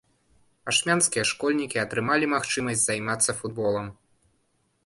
Ашмянскія школьнікі атрымалі магчымасць займацца футболам.